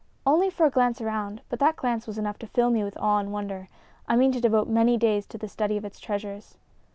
"Only for a glance around; but that glance was enough to fill me with awe and wonder. I mean to devote many days to the study of its treasures."